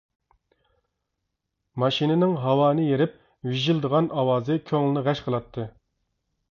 ماشىنىنىڭ ھاۋانى يېرىپ ۋىشىلدىغان ئاۋازى كۆڭلىنى غەش قىلاتتى.